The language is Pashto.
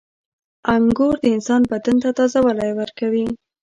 • انګور د انسان بدن ته تازهوالی ورکوي.